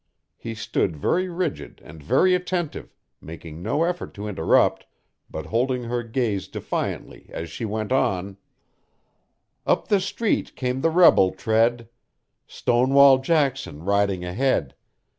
He stood very rigid and very attentive, making no effort to interrupt, but holding her gaze defiantly as she went on: "Up the street came the Rebel tread, Stonewall Jackson riding ahead.